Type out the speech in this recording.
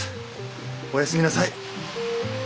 おやすみなさい。